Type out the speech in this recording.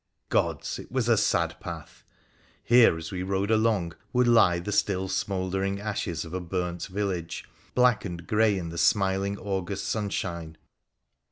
Gods ! it was a sad path. Here, as we rode along, would lie the still smouldering ashes of a burnt village, black and grey in the smiling August sunshine.